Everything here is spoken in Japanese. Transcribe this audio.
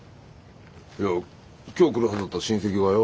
いや今日来るはずだった親戚がよ